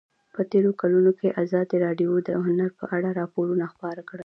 په تېرو کلونو کې ازادي راډیو د هنر په اړه راپورونه خپاره کړي دي.